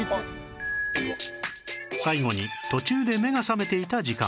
最後に途中で目が覚めていた時間